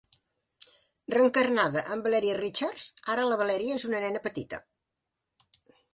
Reencarnada en Valeria Richards, ara la Valeria és una nena petita.